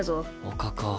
おかか。